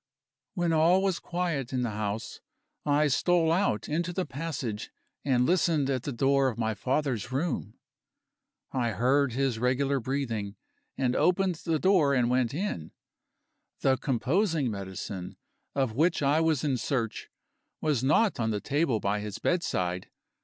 When all was quiet in the house, I stole out into the passage and listened at the door of my father's room. I heard his regular breathing, and opened the door and went in. The composing medicine, of which I was in search, was not on the table by his bedside.